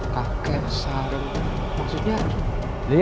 kakek sarung maksudnya